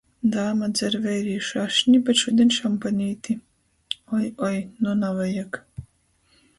Dāma dzer veirīšu ašni, bet šudiņ šampanīti... Oi, oi, nu navajag...